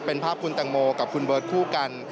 เป็นภาพคุณแตงโมกับคุณเบิร์ตคู่กัน